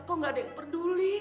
kok gak ada yang peduli